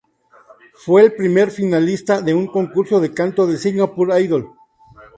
Fue el primer finalista de un concurso de canto de "Singapore Idol".